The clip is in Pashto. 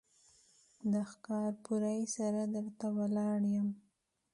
د ښکارپورۍ سره در ته ولاړ يم.